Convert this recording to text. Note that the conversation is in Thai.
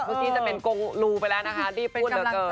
จะเป็นกงรูไปแล้วนะคะรีบพูดเหลือเกิน